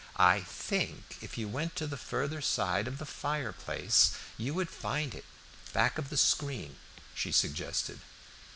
"I think if you went to the further side of the fire place you would find it back of the screen," she suggested.